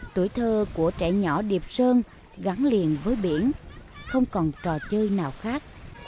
tuổi thơ của trẻ nhỏ điệp sơn gắn liền với biển không còn trò chơi nào khác